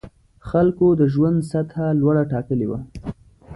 خلکو د ژوند سطح لوړه ټاکلې وه.